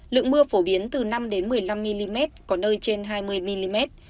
lượng mưa phổ biến từ năm một mươi năm mm có nơi trên hai mươi mm